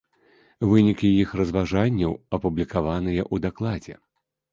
Вынікі іх разважанняў апублікаваныя ў дакладзе.